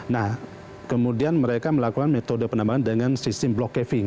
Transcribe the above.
nah kemudian mereka melakukan metode penambahan dengan sistem block caving